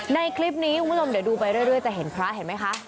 ในคลิปนี้คุณผู้ชมเดี๋ยวดูไปเรื่อยจะเห็นพระเห็นไหมคะ